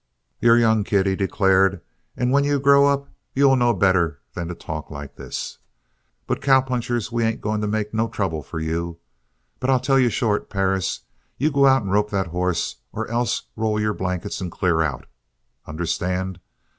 "You're young, kid," he declared. "When you grow up you'll know better'n to talk like this. But cowpunchers we ain't going to make no trouble for you. But I'll tell you short, Perris, you'll go out and rope that hoss or else roll your blankets and clear out. Understand?